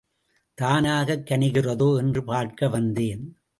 தானாகக் கணிகிறதோ என்று பார்க்க வந்தேன்.